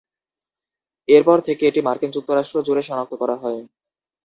এরপর থেকে এটি মার্কিন যুক্তরাষ্ট্র জুড়ে শনাক্ত করা হয়েছে।